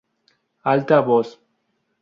Alta Voz.